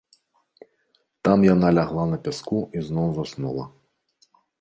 Там яна лягла на пяску і зноў заснула.